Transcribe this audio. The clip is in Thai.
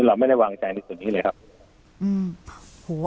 เราไม่ได้วางใจในส่วนนี้เลยครับ